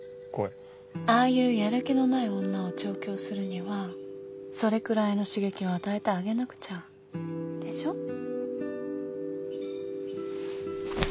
声ああいうやる気のない女を調教するにはそれくらいの刺激を与えてあげなくちゃでしょ？